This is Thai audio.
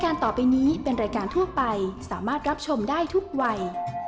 รับชมได้ทุกวัย